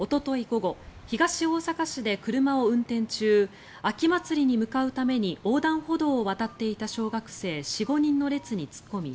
午後東大阪市で車を運転中秋祭りに向かうために横断歩道を渡っていた小学生４、５人の列に突っ込み